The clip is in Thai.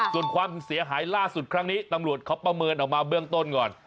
ส่วนความเสียหายล่าสุดครั้งนี้ตำรวจเขาประเมินออกมาเบื้องต้นก่อน